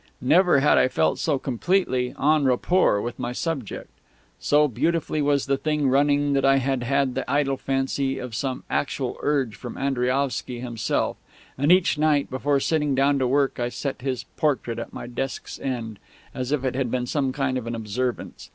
Never had I felt so completely en rapport with my subject. So beautifully was the thing running that I had had the idle fancy of some actual urge from Andriaovsky himself; and each night, before sitting down to work, I set his portrait at my desk's end, as if it had been some kind of an observance.